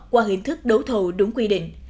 qua hình thức đấu thầu đúng quy định